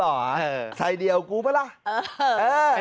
น่าจะเก่าพอตัวนะมึง